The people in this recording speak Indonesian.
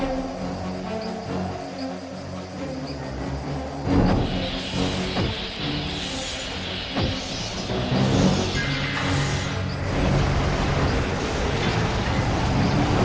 kau akan menang